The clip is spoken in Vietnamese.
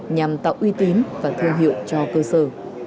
nhằm tạo uy tín và thương hiệu cho cơ sở